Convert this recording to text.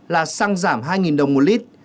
là xăng giảm hai đồng một lít